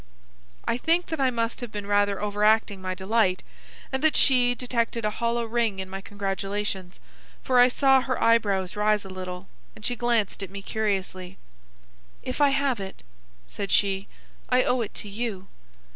I think that I must have been rather overacting my delight, and that she detected a hollow ring in my congratulations, for I saw her eyebrows rise a little, and she glanced at me curiously. "If I have it," said she, "I owe it to you."